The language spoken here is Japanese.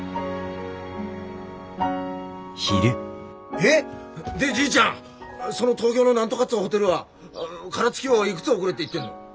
えっでじいちゃんその東京の何とかっつうホテルは殻付きをいくつ送れって言ってんの？